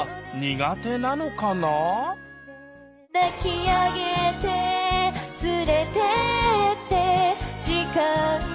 「抱きあげてつれてって時間ごと」